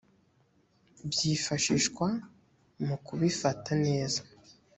byifashishwa mu kubifata neza